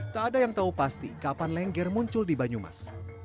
tak ada yang tahu pasti kapan lengger muncul di banyumas